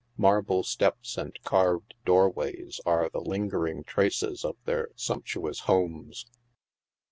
Marble steps and carved doorways are the lingering traces of their sumptuous homes.